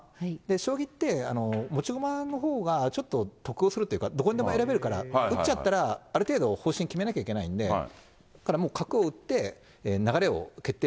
将棋って、持ち駒のほうがちょっと得をするというか、どこでも選べるから、打っちゃったらある程度方針決めなきゃいけないんで、だからもう角を打って流れを決定